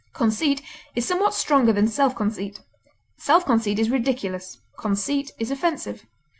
Conceit is somewhat stronger than self conceit. Self conceit is ridiculous; conceit is offensive.